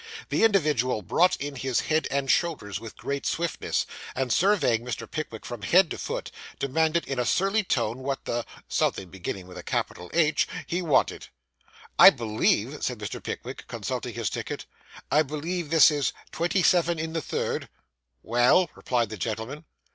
The individual brought in his head and shoulders with great swiftness, and surveying Mr. Pickwick from head to foot, demanded in a surly tone what the something beginning with a capital H he wanted. 'I believe,' said Mr. Pickwick, consulting his ticket 'I believe this is twenty seven in the third?' 'Well?' replied the gentleman.